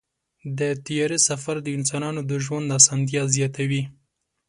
د طیارې سفر د انسانانو د ژوند اسانتیا زیاتوي.